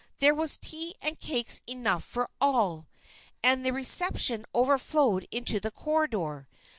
There was tea and cakes enough for all; and the "reception" overflowed into the corridor.